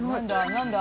何だ？